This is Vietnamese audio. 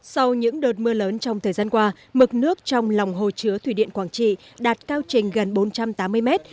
sau những đợt mưa lớn trong thời gian qua mực nước trong lòng hồ chứa thủy điện quảng trị đạt cao trình gần bốn trăm tám mươi mét